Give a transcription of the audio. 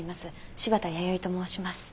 柴田弥生と申します。